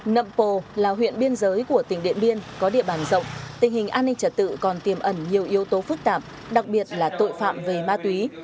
nậm pồ là huyện biên giới của tỉnh điện biên có địa bàn rộng tình hình an ninh trật tự còn tiềm ẩn nhiều yếu tố phức tạp đặc biệt là tội phạm về ma túy